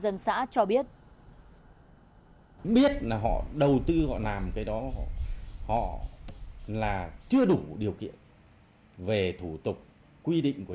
dân xã cho biết biết là họ đầu tư họ làm cái đó họ là chưa đủ điều kiện về thủ tục quy định của